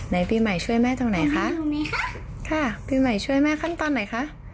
ไหนปีใหม่ช่วยแม่ตรงไหนคะค่ะปีใหม่ช่วยแม่ขั้นตอนไหนคะ